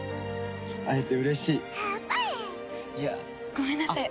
ごめんなさい。